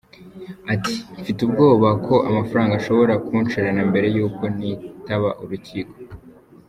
Ati "Mfite ubwoba ko amafaranga ashobora kunshirana mbere yuko nitaba urukiko".